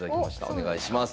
お願いします。